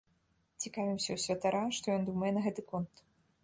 Цікавімся ў святара, што ён думае на гэты конт.